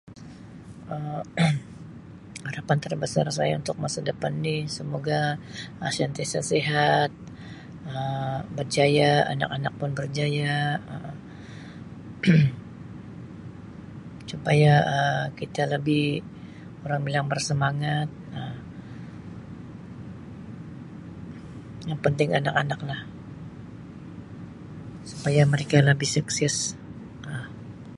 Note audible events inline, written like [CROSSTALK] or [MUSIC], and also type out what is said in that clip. Um [COUGHS] Harapan terbesar saya untuk masa depan ni semoga Um sentiasa sihat, Um berjaya, anak-anak pun berjaya Um [COUGHS] supaya kita lebih orang bilang bersemangat Um yang penting anak-anak lah supaya mereka lebih sukses Um.